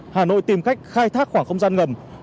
hà nội tìm cách khai thác khoảng không gian ngầm